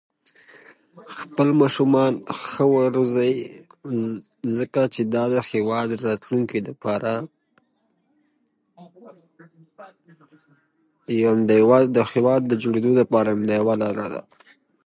که ماشوم لوبه ونه کړي، خلاقیت یې محدود کېږي.